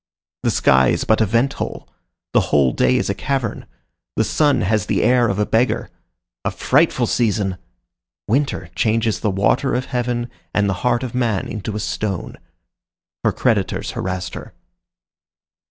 The sky is but a vent hole. The whole day is a cavern. The sun has the air of a beggar. A frightful season! Winter changes the water of heaven and the heart of man into a stone. Her creditors harrassed her.